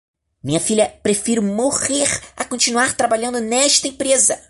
Minha filha, prefiro morrer a continuar trabalhando nesta empresa